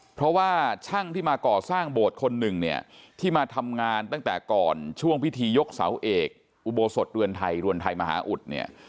เพราะว่าช่างที่มาก่อสร้างโบสถ์คนหนึ่งเนี่ยที่มาทำงานตั้งแต่ก่อนช่วงพิธียกเสาเอกอุโบสถเรือนไทยเรือนไทยมหาอุดเนี่ย